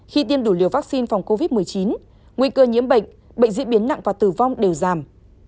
khi tiêm đủ liều vaccine phòng covid một mươi chín nguy cơ nhiễm bệnh bệnh diễn biến nặng và tử vong đều giảm